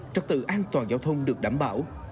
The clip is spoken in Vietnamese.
trọc tự an toàn giao thông được đảm bảo